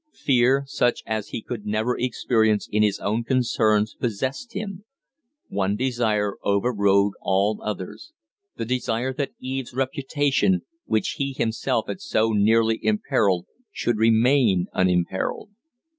Fear, such as he could never experience in his own concerns, possessed him. One desire overrode all others the desire that Eve's reputation, which he himself had so nearly imperilled, should remain unimperilled.